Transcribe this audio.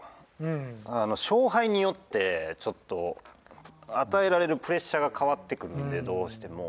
勝敗によってちょっと与えられるプレッシャーが変わってくるんでどうしても。